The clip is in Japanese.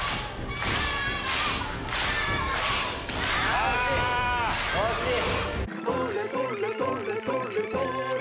惜しい惜しい。